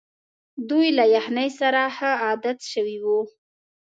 دوی له یخنۍ سره ښه عادت شوي وو.